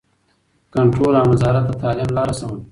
کنټرول او نظارت د تعلیم لاره سموي.